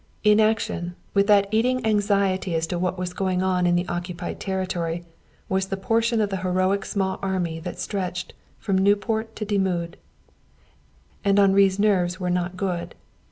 Inaction, with that eating anxiety as to what was going on in the occupied territory, was the portion of the heroic small army that stretched from Nieuport to Dixmude. And Henri's nerves were not good.